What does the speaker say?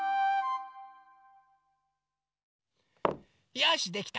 よしできた！